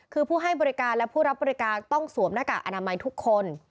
คือผู้ให้บริการและผู้รับบริการต้องสวมหน้ากากอนามัยทุกคน